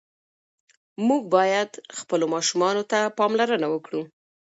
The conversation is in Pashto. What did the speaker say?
موږ باید خپلو ماشومانو ته پاملرنه وکړو.